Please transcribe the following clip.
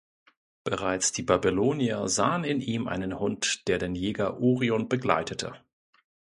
Bereits die Babylonier sahen in ihm einen Hund, der den Jäger Orion begleitete.